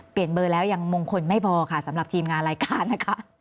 เบอร์แล้วยังมงคลไม่พอค่ะสำหรับทีมงานรายการนะคะ